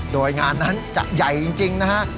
โดยงานนั้นจะใหญ่จริงนะฮะ